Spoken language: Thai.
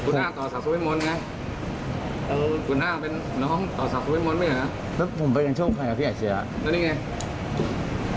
แล้วตรงนี้ไงเซ็บไม่เลยเนอะ